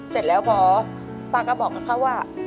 เสร็จแล้วพอป้าก็บอกกับเขาว่า